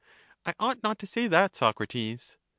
I ought not to say that, Socrates.